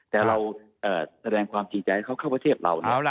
แต่เราแสดงความจริงใจให้เขาเข้าประเทศเรา